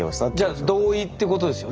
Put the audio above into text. じゃあ同意ってことですよね？